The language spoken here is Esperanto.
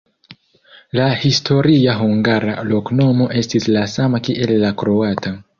La historia hungara loknomo estis la sama kiel la kroata.